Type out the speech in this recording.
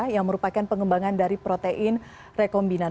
yang merupakan pengembangan dari protein rekombinan